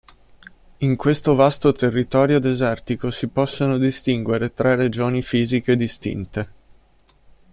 In questo vasto territorio desertico si possono distinguere tre regioni fisiche distinte.